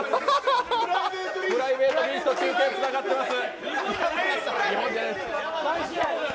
プライベートビーチと中継、つながっています。